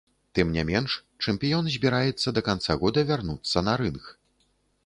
Тым не менш, чэмпіён збіраецца да канца года вярнуцца на рынг.